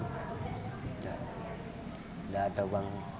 enggak ada uang